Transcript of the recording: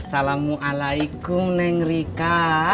salamualaikum neng rika